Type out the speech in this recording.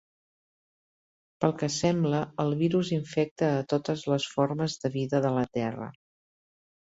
Pel que sembla el virus infecta a totes les formes de vida de la terra.